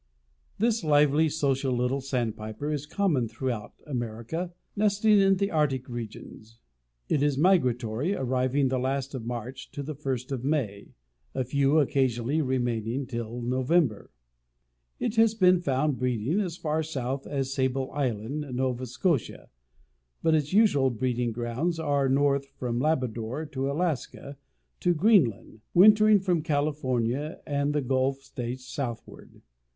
This lively, social little Sandpiper is common throughout America, nesting in the Arctic regions. It is migratory, arriving the last of March to the first of May, a few occasionally remaining till November. It has been found breeding as far south as Sable Island, Nova Scotia, but its usual breeding grounds are north from Labrador and Alaska to Greenland, wintering from California and the Gulf states southward.